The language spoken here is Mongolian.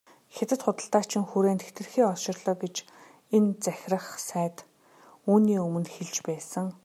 Хятад худалдаачин хүрээнд хэтэрхий олширлоо гэж энэ захирах сайд үүний өмнө хэлж байсан.